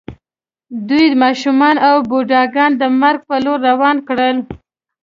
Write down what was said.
دوی ماشومان او بوډاګان د مرګ په لور روان کړل